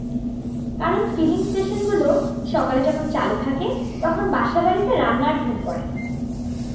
কারণ ফিলিং স্টেশনগুলো সকালে যখন চালু থাকে, তখন বাসাবাড়িতে রান্নার ধুম পড়ে।